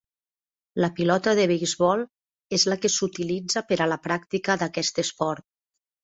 La pilota de beisbol és la que s'utilitza per a la pràctica d'aquest esport.